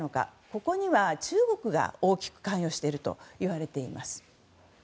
ここには中国が大きく関与しているといわれています。